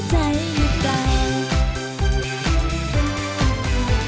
ไม่เคยรู้ถึงแล้ว